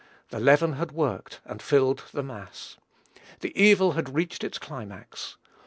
The leaven had worked and filled the mass. The evil had reached its climax.